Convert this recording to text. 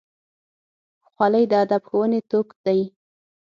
خولۍ د ادب ښوونې توک دی.